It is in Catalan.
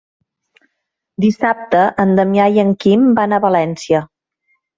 Dissabte en Damià i en Quim van a València.